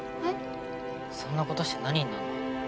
そんなことして何になんの？